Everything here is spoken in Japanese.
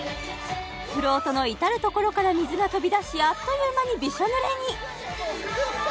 フロートの至る所から水が飛び出しあっという間にびしょ濡れに！